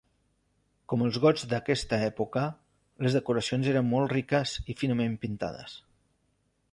Com els gots d'aquesta època, les decoracions eren molt riques i finament pintades.